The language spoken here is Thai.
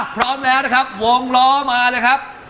พร้อมแล้วนะครับวงล้อมาเลยครับ